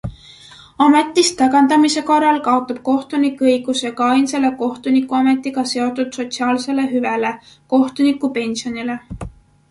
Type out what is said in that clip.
Ametist tagandamise korral kaotab kohtunik õiguse ka ainsale kohtunikuametiga seotud sotsiaalsele hüvele - kohtunikupensionile.